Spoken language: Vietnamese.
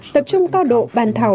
tập trung cao độ bàn thảo